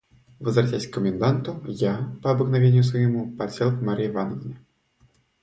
Возвратясь к коменданту, я, по обыкновению своему, подсел к Марье Ивановне.